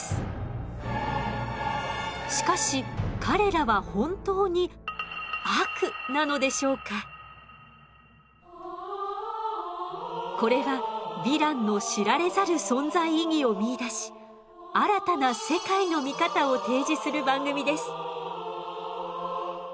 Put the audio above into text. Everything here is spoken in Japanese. しかし彼らはこれはヴィランの知られざる存在意義を見いだし新たな世界の見方を提示する番組です。